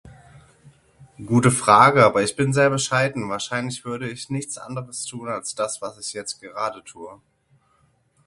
Gute Frage aber ich bin sehr bescheiden, wahrscheinlich würde ich nichts anderes Tun als das was ich jetzt gerade tue.